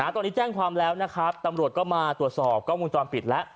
ตอนนี้แจ้งความแล้วนะครับตำรวจก็มาตรวจสอบกล้องวงจรปิดแล้ว